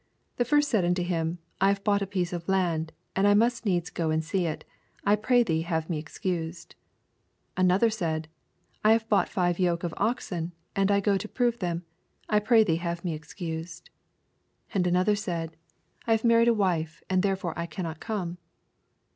The £rst said unto him, I bave bought a piece of land, and I must needs go and see it : 1 pray thee have me excused. 19 And another said, I have bought five yoke of oxen, and I go to prove tiiem : I pray thee have me excused. 20 And another said, I have mar ried a wife, and therefore I cannot come.